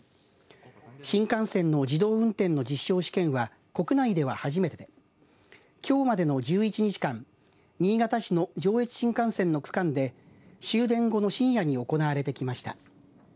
新幹線の自動運転の実証試験は国内では初めてできょうまでの１１日間新潟市の上越新幹線の区間で終電後の深夜に行われてきました。